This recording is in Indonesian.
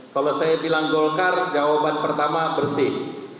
kalau saya bilang golkar jawaban pertama bersih